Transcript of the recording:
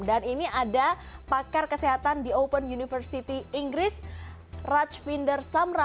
dan ini ada pakar kesehatan di open university inggris rajvinder samra